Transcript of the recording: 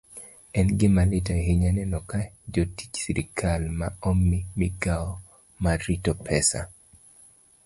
En gima lit ahinya neno ka jotich sirkal ma omi migawo mar rito pesa